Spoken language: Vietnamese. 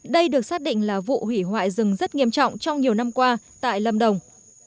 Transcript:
đây được xác định là vụ hủy hoại rừng rất nghiêm trọng trong nhiều năm qua tại lâm đồng